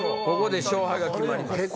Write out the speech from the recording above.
ここで勝敗が決まります。